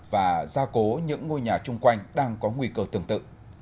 và gia cố những ngôi nhà chung quanh đang có nguy cơ tương tự